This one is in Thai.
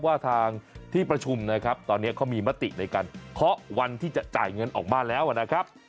ว่าทางที่ประชุมนะครับตอนนี้เขามีมติในการเคาะวันที่จะจ่ายเงินออกมาแล้วนะครับ